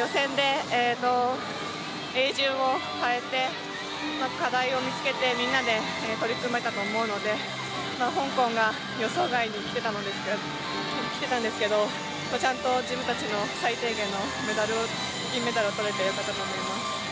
予選で泳順を変えて課題を見つけてみんなで取り組めたと思うので、香港が予想外に来てたんですけど、ちゃんと自分たちの最低限のメダルを、銀メダルを取れてよかったと思います。